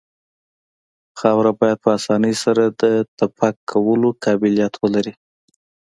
خاوره باید په اسانۍ سره د تپک کولو قابلیت ولري